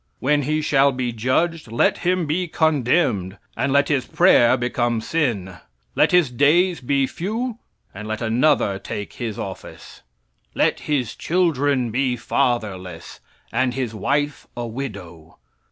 "When he shall be judged, let him be condemned; and let his prayer become sin. "Let his days be few; and let another take his office. "Let his children be fatherless, and his wife a widow.